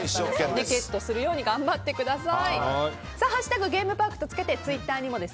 ゲットできるように頑張ってください。